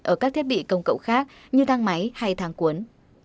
ở các thiết bị công cộng khác như thang máy hay thang cuốn